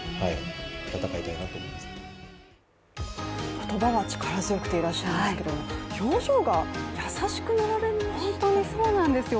言葉は力強くていらっしゃいますけれども表情が優しくなられましたよね。